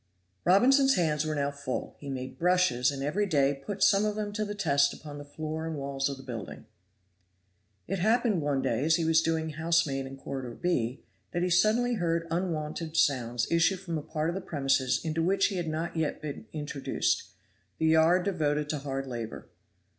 Robinson's hands were now full; he made brushes, and every day put some of them to the test upon the floor and walls of the building. It happened one day as he was doing housemaid in corridor B, that he suddenly heard unwonted sounds issue from a part of the premises into which he had not yet been introduced, the yard devoted to hard labor.